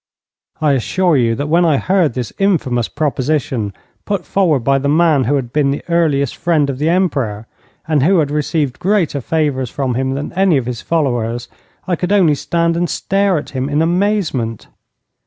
I assure you that when I heard this infamous proposition put forward by the man who had been the earliest friend of the Emperor, and who had received greater favours from him than any of his followers, I could only stand and stare at him in amazement.